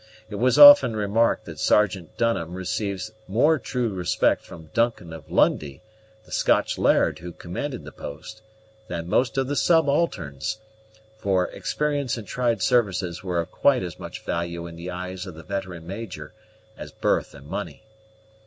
It was often remarked that Sergeant Dunham received more true respect from Duncan of Lundie, the Scotch laird who commanded the post, than most of the subalterns; for experience and tried services were of quite as much value in the eyes of the veteran major as birth and money.